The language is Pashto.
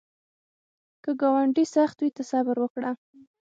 که ګاونډی سخت وي، ته صبر وکړه